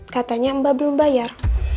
katanya mbak belum bayar